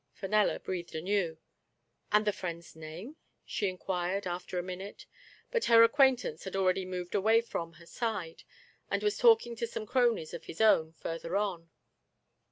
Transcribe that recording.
Fenella breathed anew. " And the friend's name ?" she inquired, after a minute ; but her ac quaintance had already moved away from her side, and was talking to some cronies of his own further on.